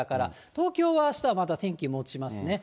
東京はあしたはまだ天気もちますね。